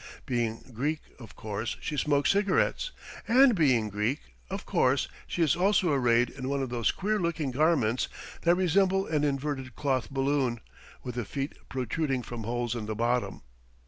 Being Greek, of course she smokes cigarettes, and being Greek, of course she is also arrayed in one of those queer looking garments that resemble an inverted cloth balloon, with the feet protruding from holes in the bottom.